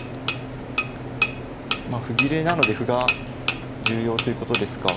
まあ歩切れなので歩が重要ということですか。